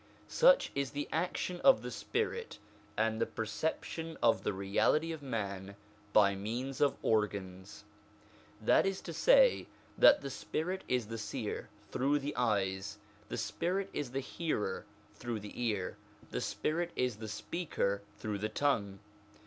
Such is the action of the spirit, and the perception of the reality of man, by means of organs. That is to say, that the spirit is the seer, through the eyes ; the spirit is the hearer, through the ear ; the spirit is the speaker, through the tongue.